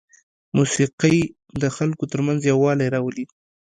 موسیقي د خلکو ترمنځ یووالی راولي.